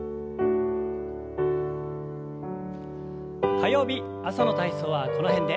火曜日朝の体操はこの辺で。